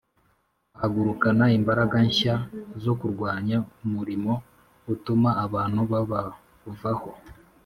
Bahagurukana imbaraga nshya zo kurwanya umurimo utuma abantu babavaho